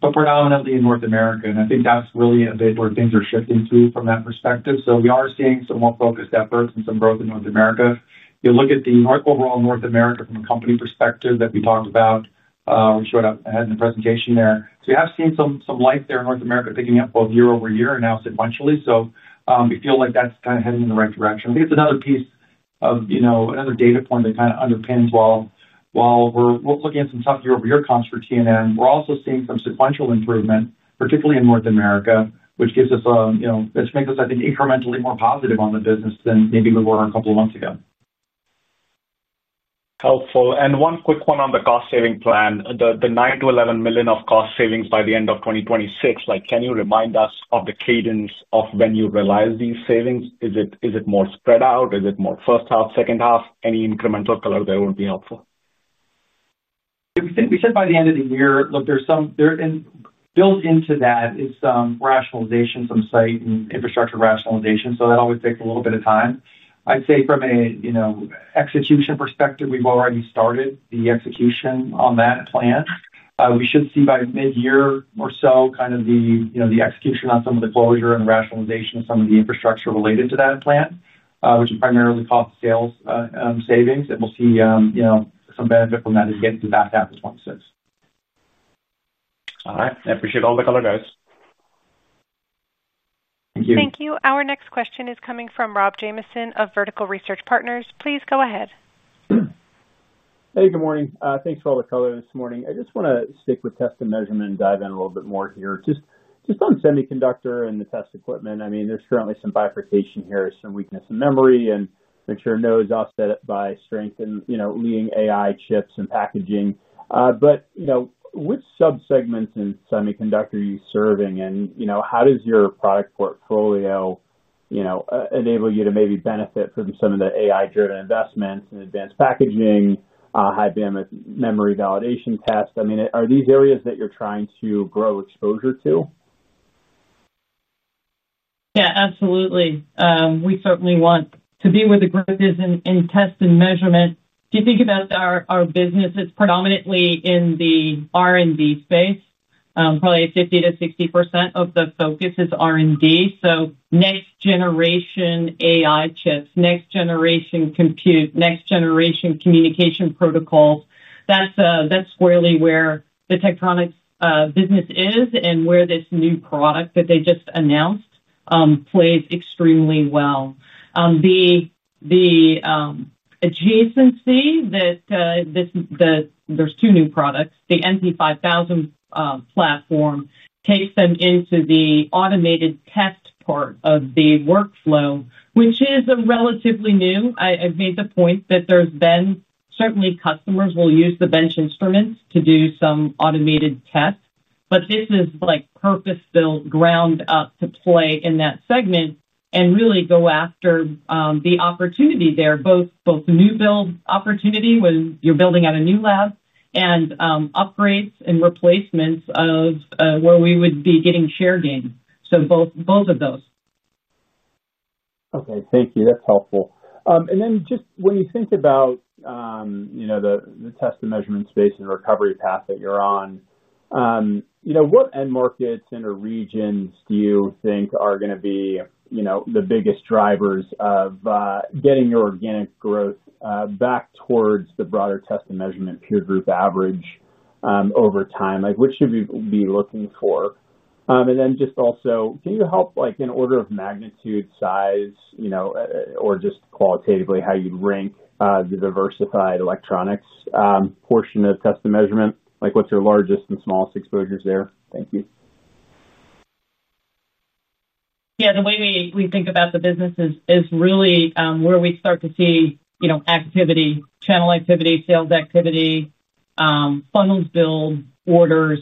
but predominantly in North America. I think that is really a bit where things are shifting to from that perspective. We are seeing some more focused efforts and some growth in North America. You look at the overall North America from a company perspective that we talked about. We showed up ahead in the presentation there. We have seen some life there in North America picking up both year-over-year and now sequentially. We feel like that is kind of heading in the right direction. I think it is another piece of another data point that kind of underpins. While we're looking at some tough year-over-year comps for T&M, we're also seeing some sequential improvement, particularly in North America, which gives us a—this makes us, I think, incrementally more positive on the business than maybe we were a couple of months ago. Helpful. And one quick one on the cost-saving plan. The $9 million-$11 million of cost savings by the end of 2026, can you remind us of the cadence of when you realize these savings? Is it more spread out? Is it more first half, second half? Any incremental color there would be helpful. We said by the end of the year, look, there's some—built into that is some rationalization, some site and infrastructure rationalization. That always takes a little bit of time. I'd say from an execution perspective, we've already started the execution on that plan. We should see by mid-year or so kind of the execution on some of the closure and the rationalization of some of the infrastructure related to that plan, which is primarily cost sales savings. We'll see some benefit from that as we get to the back half of 2026. All right. I appreciate all the color, guys. Thank you. Thank you. Our next question is coming from Rob Jamison of Vertical Research Partners. Please go ahead. Hey, good morning. Thanks for all the color this morning. I just want to stick with test and measurement and dive in a little bit more here. Just on semiconductor and the test equipment, I mean, there's currently some bifurcation here, some weakness in memory, and I'm sure now it's offset by strength in leading AI chips and packaging. Which subsegments in semiconductor are you serving, and how does your product portfolio enable you to maybe benefit from some of the AI-driven investments in advanced packaging, high-bandwidth memory validation tests? I mean, are these areas that you're trying to grow exposure to? Yeah, absolutely. We certainly want to be where the growth is in test and measurement. If you think about our business, it's predominantly in the R&D space. Probably 50%-60% of the focus is R&D. Next-generation AI chips, next-generation compute, next-generation communication protocols, that's squarely where the Tektronix business is and where this new product that they just announced plays extremely well. The adjacency that—there's two new products. The MP5000 platform takes them into the automated test part of the workflow, which is relatively new. I've made the point that certainly customers will use the bench instruments to do some automated tests. This is purpose-built, ground up to play in that segment and really go after the opportunity there, both new build opportunity when you're building out a new lab and upgrades and replacements of where we would be getting share gains. Both of those. Okay. Thank you. That's helpful. And then just when you think about the test and measurement space and recovery path that you're on, what end markets and/or regions do you think are going to be the biggest drivers of getting your organic growth back towards the broader test and measurement peer group average over time? What should we be looking for? And then just also, can you help in order of magnitude, size, or just qualitatively how you'd rank the diversified electronics portion of test and measurement? What's your largest and smallest exposures there? Thank you. Yeah. The way we think about the business is really where we start to see activity, channel activity, sales activity. Funnels build orders.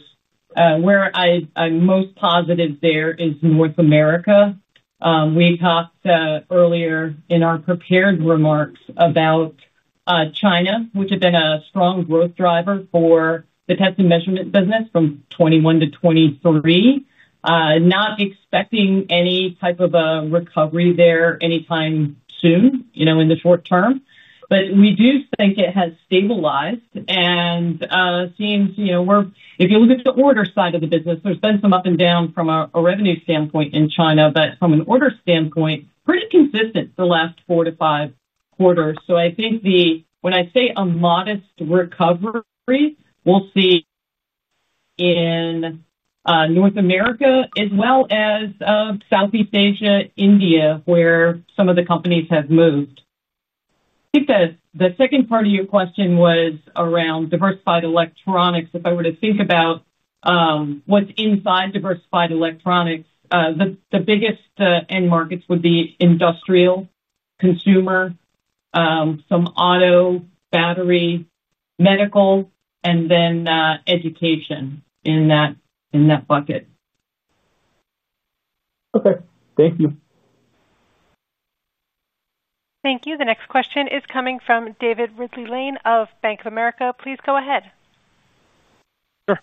Where I'm most positive there is North America. We talked earlier in our prepared remarks about China, which had been a strong growth driver for the test and measurement business from 2021 to 2023. Not expecting any type of a recovery there anytime soon in the short term. But we do think it has stabilized and seems if you look at the order side of the business, there's been some up and down from a revenue standpoint in China, but from an order standpoint, pretty consistent the last four to five quarters. I think when I say a modest recovery, we'll see in North America as well as Southeast Asia, India, where some of the companies have moved. I think the second part of your question was around diversified electronics. If I were to think about what's inside diversified electronics, the biggest end markets would be industrial, consumer, some auto, battery, medical, and then education in that bucket. Okay. Thank you. Thank you. The next question is coming from David Ridley Lane of Bank of America. Please go ahead. Sure.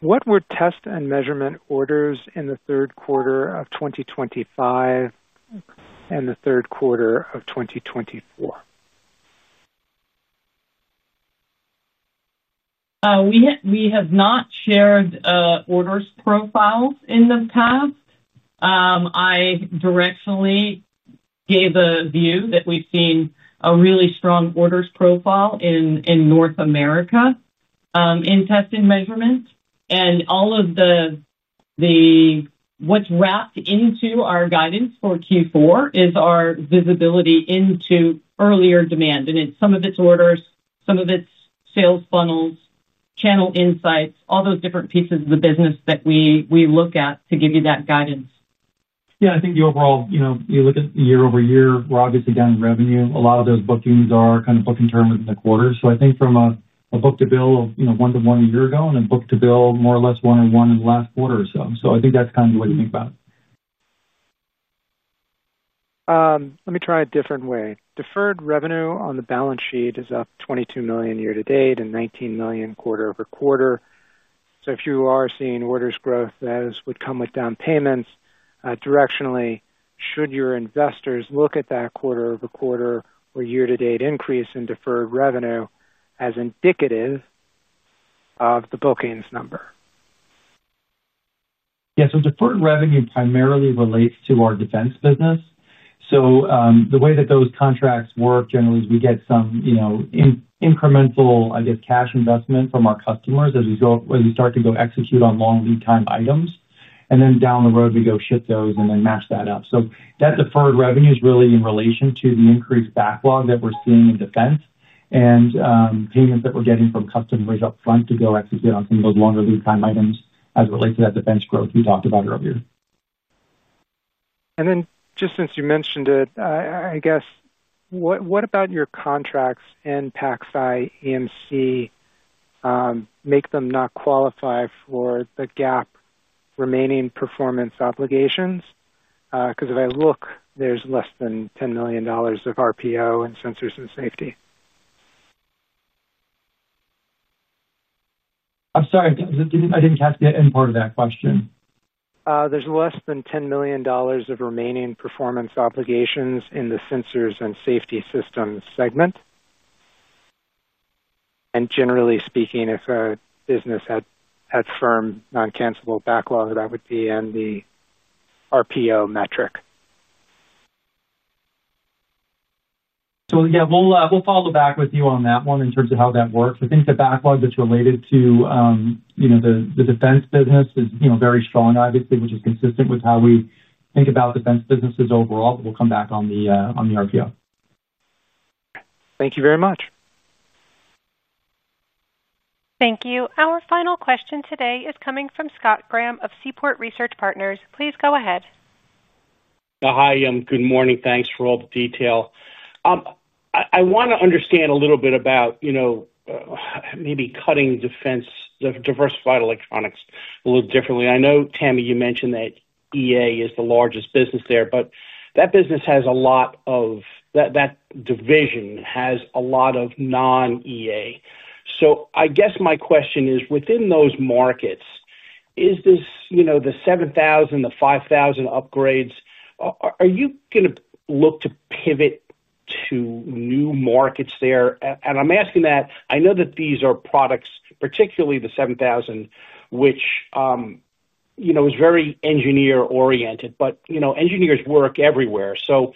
What were test and measurement orders in the third quarter of 2025? And the third quarter of 2024? We have not shared orders profiles in the past. I directly gave a view that we've seen a really strong orders profile in North America in test and measurement. All of what's wrapped into our guidance for Q4 is our visibility into earlier demand. It's some of its orders, some of its sales funnels, channel insights, all those different pieces of the business that we look at to give you that guidance. Yeah. I think the overall, you look at year-over-year, we're obviously down in revenue. A lot of those bookings are kind of booking terms in the quarter. I think from a book-to-bill of one to one a year ago and a book-to-bill more or less one or one in the last quarter or so. I think that's kind of the way to think about it. Let me try a different way. Deferred revenue on the balance sheet is up $22 million year to date and $19 million quarter-over-quarter. If you are seeing orders growth as would come with down payments, directionally, should your investors look at that quarter-over-quarter or year-to-date increase in deferred revenue as indicative of the bookings number? Yeah. Deferred revenue primarily relates to our defense business. The way that those contracts work generally is we get some incremental, I guess, cash investment from our customers as we start to go execute on long lead-time items. Then down the road, we go ship those and then match that up. That deferred revenue is really in relation to the increased backlog that we're seeing in defense and payments that we're getting from customers upfront to go execute on some of those longer lead-time items as it relates to that defense growth we talked about earlier. Just since you mentioned it, I guess. What about your contracts in PacSci EMC make them not qualify for the GAAP remaining performance obligations? Because if I look, there's less than $10 million of RPO in sensors and safety. I'm sorry. I didn't catch the end part of that question. There's less than $10 million of remaining performance obligations in the sensors and safety systems segment. Generally speaking, if a business had firm non-cancelable backlog, that would be in the RPO metric. Yeah, we'll follow back with you on that one in terms of how that works. I think the backlog that's related to the defense business is very strong, obviously, which is consistent with how we think about defense businesses overall, but we'll come back on the RPO. Okay. Thank you very much. Thank you. Our final question today is coming from Scott Graham of Seaport Research Partners. Please go ahead. Hi. Good morning. Thanks for all the detail. I want to understand a little bit about, maybe cutting defense diversified electronics a little differently. I know, Tami, you mentioned that EA is the largest business there, but that business has a lot of, that division has a lot of non-EA. So I guess my question is, within those markets, is this the 7,000, the 5,000 upgrades? Are you going to look to pivot to new markets there? And I'm asking that. I know that these are products, particularly the 7,000, which is very engineer-oriented, but engineers work everywhere. So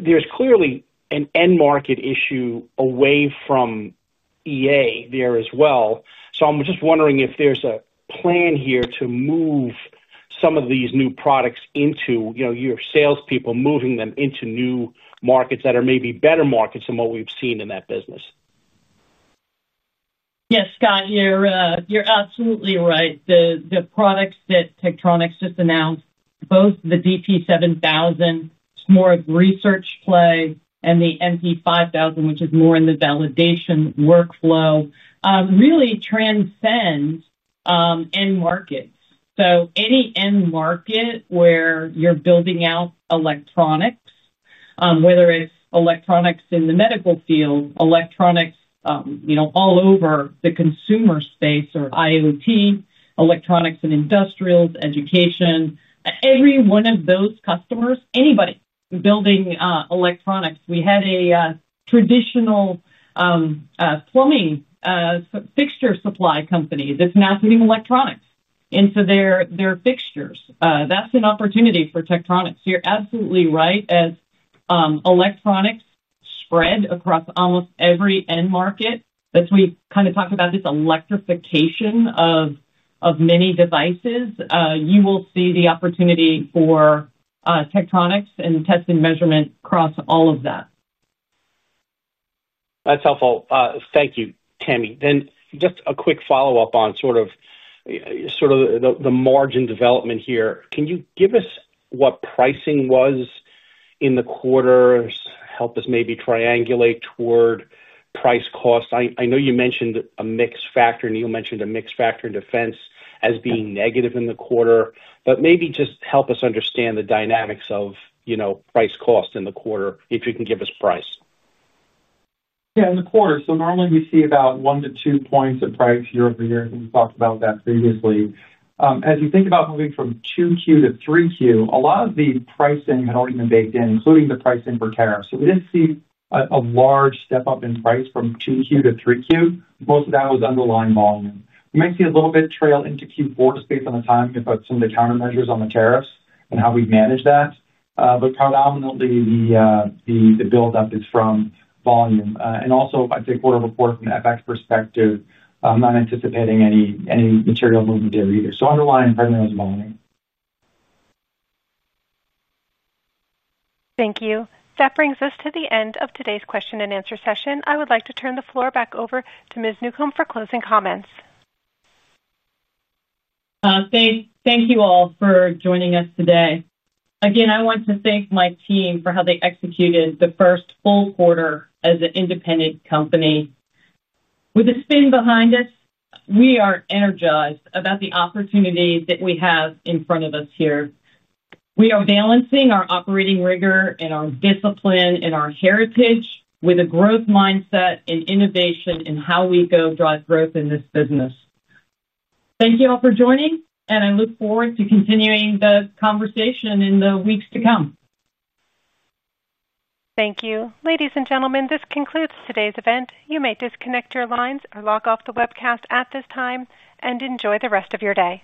there's clearly an end market issue away from EA there as well. So I'm just wondering if there's a plan here to move some of these new products into your salespeople, moving them into new markets that are maybe better markets than what we've seen in that business. Yes, Scott, you're absolutely right. The products that Tektronix just announced, both the DPO 7000, more of a research play, and the MP5000, which is more in the validation workflow, really transcend end markets. So any end market where you're building out electronics, whether it's electronics in the medical field, electronics all over the consumer space or IoT, electronics in industrials, education, every one of those customers, anybody building electronics. We had a traditional plumbing fixture supply company that's now putting electronics into their fixtures. That's an opportunity for Tektronix. You're absolutely right as electronics spread across almost every end market. As we kind of talked about this electrification of many devices, you will see the opportunity for Tektronix and test and measurement across all of that. That's helpful. Thank you, Tami. Then just a quick follow-up on sort of the margin development here. Can you give us what pricing was in the quarters, help us maybe triangulate toward price cost? I know you mentioned a mixed factor, and you mentioned a mixed factor in defense as being negative in the quarter, but maybe just help us understand the dynamics of price cost in the quarter if you can give us price. Yeah. In the quarter, so normally we see about one to two points of price year-over-year, and we talked about that previously. As you think about moving from 2Q to 3Q, a lot of the pricing had already been baked in, including the pricing for tariffs. We did not see a large step up in price from 2Q to 3Q. Most of that was underlying volume. We might see a little bit trail into Q4 just based on the timing of some of the countermeasures on the tariffs and how we have managed that. Predominantly, the build-up is from volume. I would also say quarter-over-quarter from an FX perspective, not anticipating any material movement there either. Underlying primarily is volume. Thank you. That brings us to the end of today's question and answer session. I would like to turn the floor back over to Ms. Newcombe for closing comments. Thank you all for joining us today. Again, I want to thank my team for how they executed the first full quarter as an independent company. With the spin behind us, we are energized about the opportunities that we have in front of us here. We are balancing our operating rigor and our discipline and our heritage with a growth mindset and innovation in how we go drive growth in this business. Thank you all for joining, and I look forward to continuing the conversation in the weeks to come. Thank you. Ladies and gentlemen, this concludes today's event. You may disconnect your lines or log off the webcast at this time and enjoy the rest of your day.